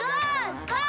ゴー！